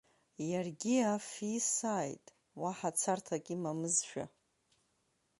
Иаргьы аф исааит, уаҳа царҭак имамызшәа…